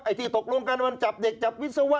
ที่ตกลงกันวันจับเด็กจับวิศวะ